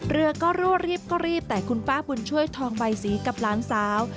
เรือก็รั่วรีบก็รีบแต่คุณป้าบุญช่วยทองใบสีกับหลานสาว